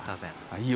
いいよ。